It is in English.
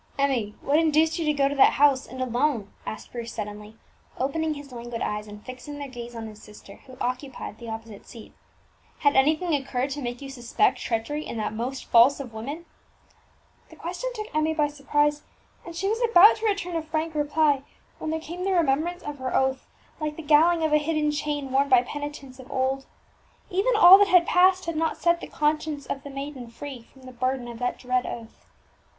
"Emmie, what induced you to go to that house, and alone?" asked Bruce suddenly, opening his languid eyes, and fixing their gaze on his sister, who occupied the opposite seat. "Had anything occurred to make you suspect treachery in that most false of women?" The question took Emmie by surprise, and she was about to return a frank reply, when there came the remembrance of her oath, like the galling of a hidden chain worn by penitents of old. Even all that had passed had not set the conscience of the maiden free from the burden of that dread oath.